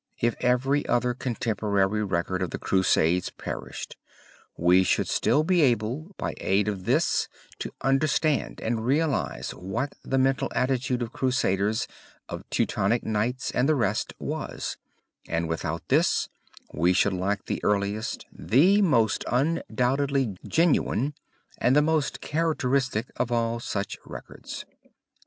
If every other contemporary record of the crusades perished, we should still be able by aid of this to understand and realize what the mental attitude of crusaders, of Teutonic Knights, and the rest was, and without this we should lack the earliest, the most undoubtedly genuine, and the most characteristic of all such records.